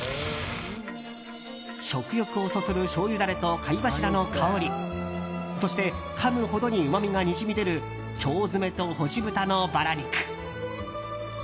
食欲をそそるしょうゆダレと貝柱の香りそして、かむほどにうまみがにじみ出る腸詰めと干し豚のバラ肉。